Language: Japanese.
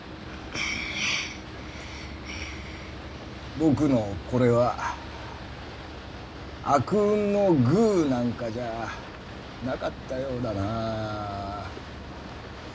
僕のこれは「悪運のグー」なんかじゃあなかったようだなあ。